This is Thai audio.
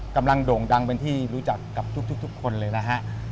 โด่งดังเป็นที่รู้จักกับทุกคนเลยนะฮะ